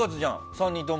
３人とも。